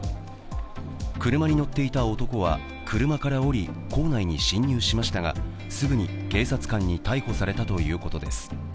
車に乗っていた男は車から降り校内に侵入しましたがすぐに警察官に逮捕されたということです。